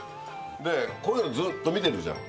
でこういうのずっと見てるじゃん。